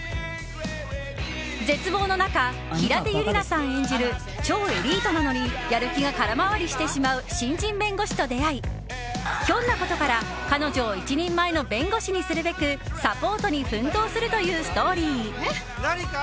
絶望の中、平手友梨奈さん演じる超エリートなのにやる気が空回りしてしまう新人弁護士と出会いひょんなことから彼女を一人前の弁護士にするべくサポートに奮闘するというストーリー。